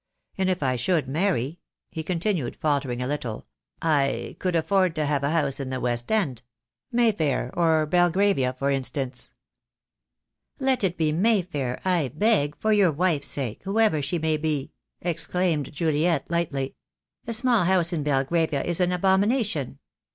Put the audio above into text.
And if I should marry," he continued, faltering a little, "I could afford to have a house in the West End — May Fair or Belgravia, for instance." "Let it be May Fair, I beg — for your wife's sake, whoever she may be," exclaimed Juliet lightly. "A small house in Belgravia is an abomination.